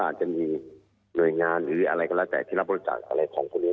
อาจจะมีหน่วยงานหรืออะไรก็แล้วแต่ที่รับบริจาคอะไรของพวกนี้